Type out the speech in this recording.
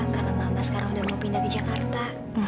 karena mama sekarang udah mau pindah ke jakarta